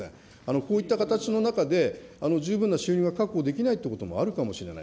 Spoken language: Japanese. こういった形の中で十分な収入が確保できないということもあるかもしれない。